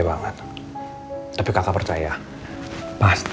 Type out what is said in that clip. boleh kita lihat